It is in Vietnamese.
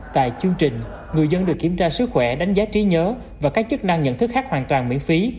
tại chương trình người dân được kiểm tra sức khỏe đánh giá trí nhớ và các chức năng nhận thức khác hoàn toàn miễn phí